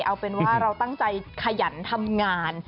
เอาเป็นว่าเราตั้งใจขยันทำงาน